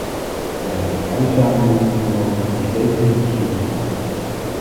We hebben vrije samenlevingen nodig die stevig in hun schoenen staan.